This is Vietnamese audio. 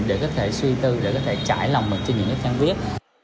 để có thể suy tư để có thể trải lòng mình trên những cái trang viết